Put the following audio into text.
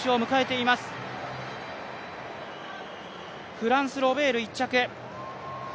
フランス、ロベール１着。